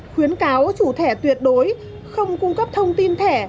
khuyến cáo chủ thẻ tuyệt đối không cung cấp thông tin thẻ